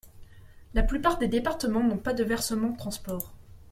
La plupart des départements n’ont pas de versement transport.